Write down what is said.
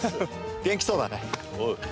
元気そうだね。